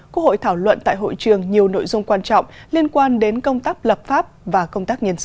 quốc hội thảo luận tại hội trường nhiều nội dung quan trọng liên quan đến công tác lập pháp và công tác nhân sự